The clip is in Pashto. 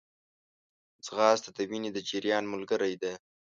ځغاسته د وینې د جریان ملګری ده